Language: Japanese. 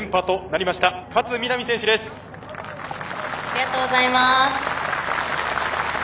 ありがとうございます。